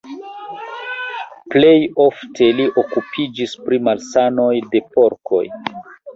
Plej ofte li okupiĝis pri malsanoj de porkoj.